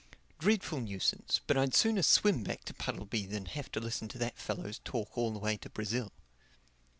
"Dreadful nuisance! But I'd sooner swim back to Puddleby than have to listen to that fellow's talk all the way to Brazil."